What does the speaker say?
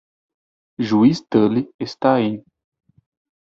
Juiz Tully está em.